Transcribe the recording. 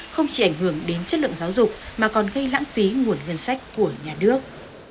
không chỉ ảnh hưởng đến chất lượng giáo dục mà còn gây lãng phí nguồn ngân sách của nhà nước